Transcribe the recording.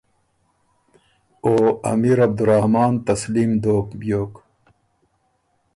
او امیر عبدالرحمان تسلیم دوک بیوک۔